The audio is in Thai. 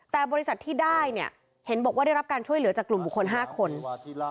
แต่บริษัทที่ได้เนี่ยเห็นบอกว่าได้รับการช่วยเหลือจากกลุ่มบุคคล๕คน